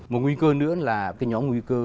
một nguy cơ nữa là cái nhóm nguy cơ